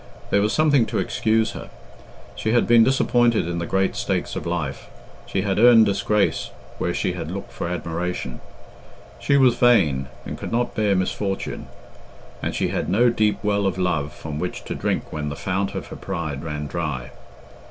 There was something to excuse her. She had been disappointed in the great stakes of life; she had earned disgrace where she had looked for admiration. She was vain, and could not bear misfortune; and she had no deep well of love from which to drink when the fount of her pride ran dry.